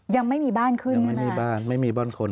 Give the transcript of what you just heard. ยังไม่มีบ้านขึ้นไม่มีบ้านไม่มีบ้านคน